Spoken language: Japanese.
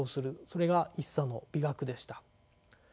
それが一茶の美学でした。